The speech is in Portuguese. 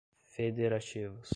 federativos